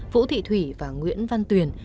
vũ thị thủy và nguyễn văn tuyền